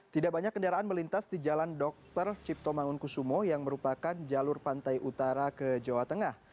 tidak banyak kendaraan melintas di jalan dr cipto mangunkusumo yang merupakan jalur pantai utara ke jawa tengah